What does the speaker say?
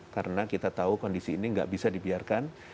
karena kita tahu kondisi ini enggak bisa dibiarkan